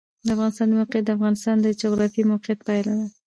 د افغانستان د موقعیت د افغانستان د جغرافیایي موقیعت پایله ده.